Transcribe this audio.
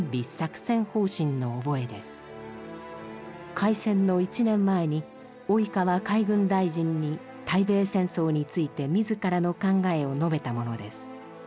開戦の１年前に及川海軍大臣に対米戦争について自らの考えを述べたものです。